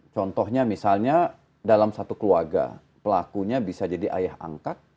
contohnya misalnya dalam satu keluarga pelakunya bisa jadi ayah angkat